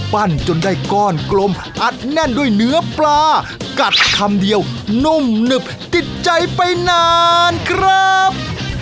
จนได้ก้อนกลมอัดแน่นด้วยเนื้อปลากัดคำเดียวนุ่มหนึบติดใจไปนานครับ